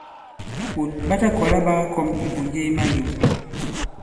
Ɓòt ɓa ta kɔ̀la ɓa kakɔm ibùnje i malew.